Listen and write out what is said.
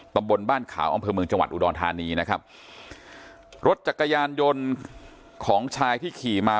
ตำบลบ้านขาวอำเภอเมืองจังหวัดอุดรธานีนะครับรถจักรยานยนต์ของชายที่ขี่มา